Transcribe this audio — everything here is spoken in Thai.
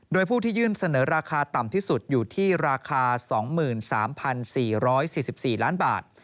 โดยผู้ที่ยื่นเสนอราคาต่ำที่สุดอยู่ที่ราคา๒๓๔๔ล้านบาท